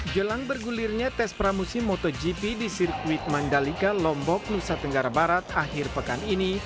jelang bergulirnya tes pramusim motogp di sirkuit mandalika lombok nusa tenggara barat akhir pekan ini